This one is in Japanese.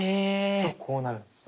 とこうなるんですか？